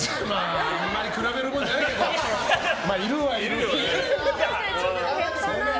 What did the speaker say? あんまり比べるもんじゃないけどいるはいる。